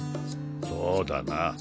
そうだな。